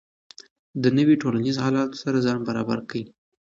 د نویو ټولنیزو حالاتو سره ځان برابر کړئ.